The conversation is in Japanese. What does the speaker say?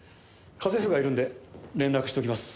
家政婦がいるんで連絡しときます。